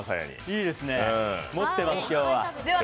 いいですね、もってます、今日は。